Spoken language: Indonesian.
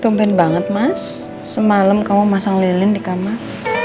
tumpen banget mas semalam kamu masang lilin di kamar